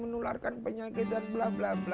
menularkan penyakit dan bla bla bla saya enggak peduli